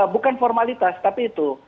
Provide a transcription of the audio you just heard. bukan formalitas tapi itu